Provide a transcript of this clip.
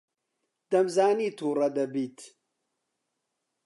دەمزانی تووڕە دەبیت.